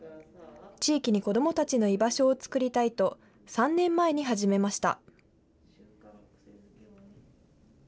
地域に子どもたちの居場所を作りたいと３年前に始めました。